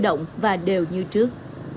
động và đều như trước